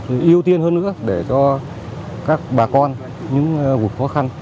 ưu tiên hơn nữa để cho các bà con những vụ khó khăn